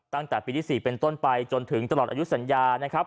ตั้งแต่ปีที่๔เป็นต้นไปจนถึงตลอดอายุสัญญานะครับ